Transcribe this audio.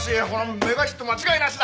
メガヒット間違いなしだ！